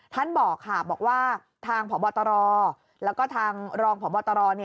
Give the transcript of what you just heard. ท่านบอกค่ะบอกว่าทางพบตรแล้วก็ทางรองพบตร